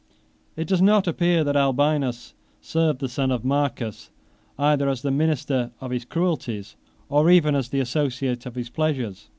It does not appear that Albinus served the son of Marcus, either as the minister of his cruelties, or even as the associate of his pleasures.